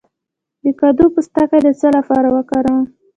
د کدو پوستکی د څه لپاره وکاروم؟